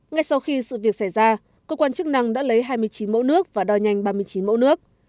ngay sau khi sự việc xảy ra cơ quan chức năng đã lấy hai mươi chín mẫu nước và đòi nhanh ba mươi chín mẫu nước